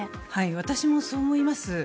私もそう思います。